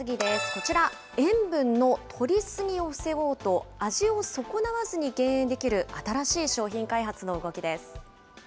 こちら、塩分のとり過ぎを防ごうと、味を損なわずに減塩できる新しい商品開発の動きです。